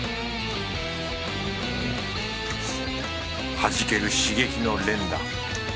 弾ける刺激の連打。